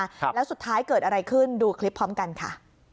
ครับแล้วสุดท้ายเกิดอะไรขึ้นดูคลิปพร้อมกันค่ะ